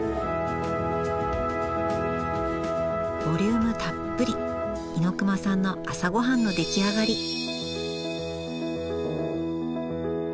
ボリュームたっぷり猪熊さんの朝ごはんの出来上がり。